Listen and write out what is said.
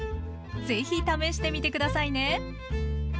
是非試してみて下さいね。